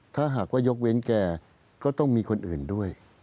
ถ้าหากว่ายกเว้นแกก็ต้องมีคนอื่นด้วย